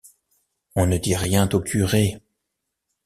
On ne dit rien au curé.